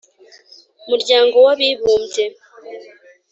muryango w'abibumbye.